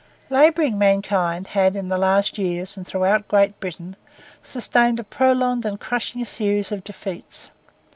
Labouring mankind had in the last years, and throughout Great Britain, sustained a prolonged and crushing series of defeats.